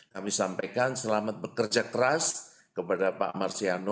kami sampaikan selamat bekerja keras kepada pak marsiano